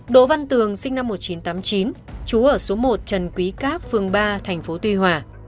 đỗ văn tường sinh năm một nghìn chín trăm tám mươi chín trú ở số một trần quý cáp phường ba tp tuy hòa